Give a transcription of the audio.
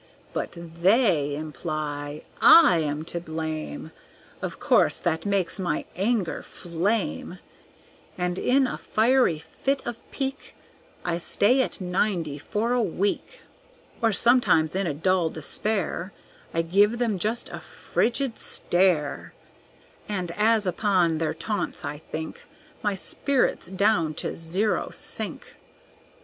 But they imply I am to blame; Of course that makes my anger flame, And in a fiery fit of pique I stay at ninety for a week. Or sometimes in a dull despair, I give them just a frigid stare; And as upon their taunts I think My spirits down to zero sink.